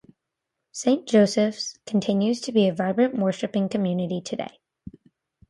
Saint Joseph's continues to be a vibrant worshipping community today.